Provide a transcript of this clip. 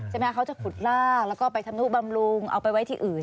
ใช่ไหมคะเขาจะขุดรากแล้วก็ไปทำหนูบำรุงเอาไปไว้ที่อื่น